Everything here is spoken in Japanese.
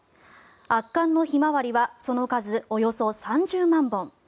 圧巻のヒマワリはその数およそ３０万本。